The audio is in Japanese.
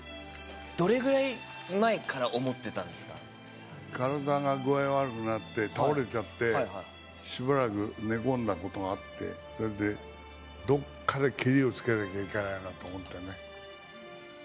どれぐらい前から、思ってた体が具合悪くなって、倒れちゃって、しばらく寝込んだことがあって、それで、どっかでけりをつけなきゃいけないなと思ってね。